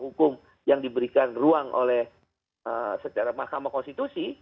hukum yang diberikan ruang oleh secara mahkamah konstitusi